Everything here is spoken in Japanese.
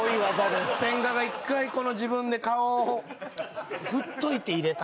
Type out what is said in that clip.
千賀が一回自分で顔を振っといて入れた